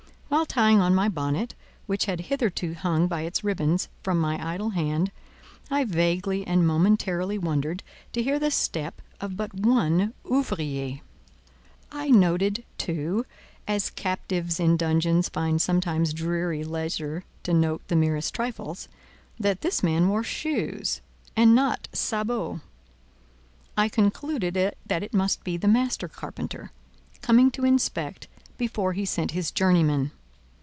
While tying on my bonnet, which had hitherto hung by its ribbons from my idle hand, I vaguely and momentarily wondered to hear the step of but one "ouvrier." I noted, too—as captives in dungeons find sometimes dreary leisure to note the merest trifles—that this man wore shoes, and not sabots: I concluded that it must be the master carpenter, coming to inspect before he sent his journeymen.